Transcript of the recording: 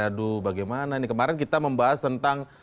aduh bagaimana ini kemarin kita membahas tentang